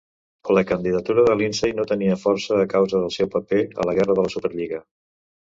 La candidatura de Lindsay no tenia força a causa dels seu paper a la guerra de la Superlliga.